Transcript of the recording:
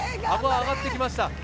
あごが上がってきました。